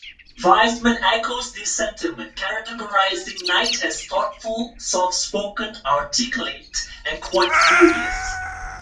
Weisman echoes this sentiment, characterizing Knight as "thoughtful, soft-spoken, articulate, and quite serious".